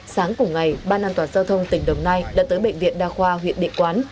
sáng cùng ngày ban an toàn giao thông tỉnh đồng nai đã tới bệnh viện đa khoa huyện địa quán